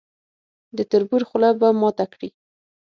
د تربور خوله به ماته کړي.